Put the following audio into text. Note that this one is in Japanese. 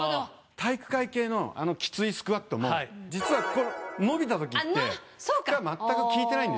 体育会系のあのきついスクワットも実は伸びたときって負荷まったく効いてないんですよ。